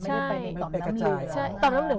ไม่ได้ไปในต่อมน้ำเหลือง